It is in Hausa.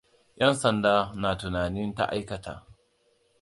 'Yan sanda na tunanin ta aikata.